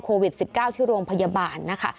โควิด๑๙ที่โรงพยาบาลนะคะ